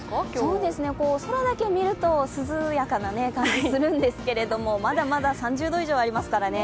そうですね、空だけ見ると涼やかな感じがするんですけれどもまだまだ３０度以上ありますからね